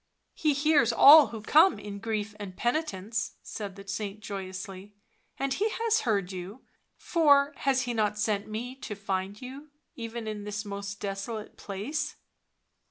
..."" He hears all who come in grief and penitence," said the saint joyously. " And He has heard *you, for has He not sent me to find you, even in this most desolate place?"